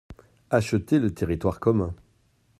Acheter le territoire commun.